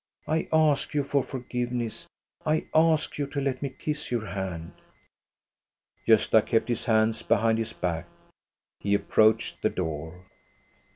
I ask you for forgiveness. I ask you to let me kiss your hand !" Gosta kept his hands behind his back. He ap proached the door.